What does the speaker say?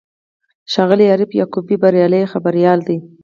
ښاغلی عارف یعقوبي بریالی خبریال دی.